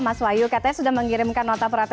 mas wahyu katanya sudah mengirimkan nota protes